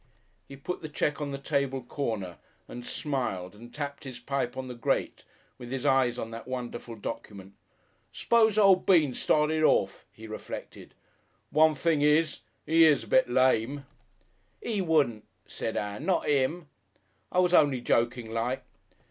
He put the cheque on the table corner and smiled and tapped his pipe on the grate with his eyes on that wonderful document. "S'pose old Bean started orf," he reflected.... "One thing, 'e is a bit lame." "'E wouldn't," said Ann; "not 'im." "I was only joking like."